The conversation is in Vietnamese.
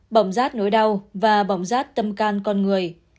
bỏng rát nỗi đau và bỏng rát tâm can con người